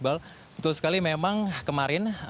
betul sekali memang kemarin